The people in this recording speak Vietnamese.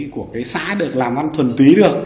của cái xã được làm ăn thuần túy được